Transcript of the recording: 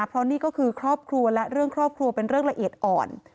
เพราะนี่ก็คือครอบครัวและเรื่องครอบครัวเป็นเรื่องละเอียดอ่อน